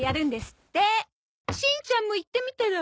しんちゃんも行ってみたら？